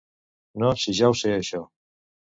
No si ja ho sé això!